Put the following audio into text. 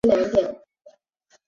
你要怎么知道